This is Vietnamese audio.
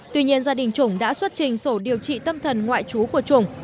tuy nhiên gia đình trùng đã xuất trình sổ điều trị tâm thần ngoại trú của trùng